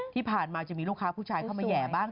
ที่ผ่านมาจะมีลูกค้าผู้ชายเข้ามาแห่บ้าง